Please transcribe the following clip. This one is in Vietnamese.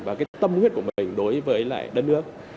và tâm huyết của mình đối với đất nước